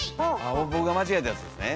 僕が間違えたやつですね？